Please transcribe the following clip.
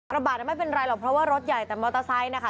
ระบาดไม่เป็นไรหรอกเพราะว่ารถใหญ่แต่มอเตอร์ไซค์นะคะ